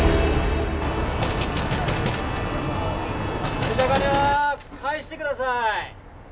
借りたお金は返してください！